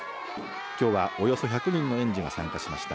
きょうは、およそ１００人の園児が参加しました。